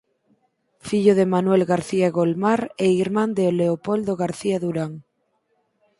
Fillo de Manuel García Golmar e irmán de Leopoldo García Durán.